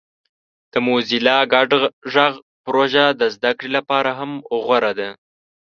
د موزیلا ګډ غږ پروژه د زده کړې لپاره هم غوره ده.